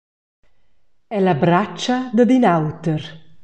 Ella bratscha dad in auter.